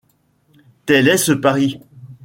Tel est ce Paris.